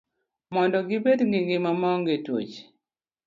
Mondo gibed gi ngima maonge tuoche.